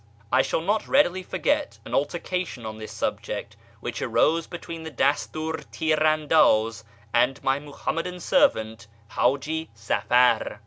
I shall not readily forget an altercation on this subject which arose between the Dastiir Tir andaz and my Muhammadan servant Haji Safar.